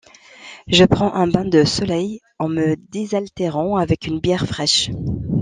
Je prends un bain de soleil en me désaltérant avec une bière fraîche.